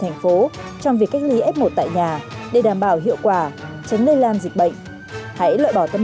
thành phố trong việc cách ly f một tại nhà để đảm bảo hiệu quả chấn lây lan dịch bệnh hãy lợi bỏ tâm